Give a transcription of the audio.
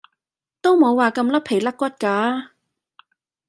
都冇話咁甩皮甩骨㗎